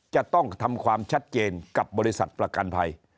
จะต้องทำความชัดเจนกับบริษัทประกันภัย